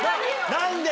何で？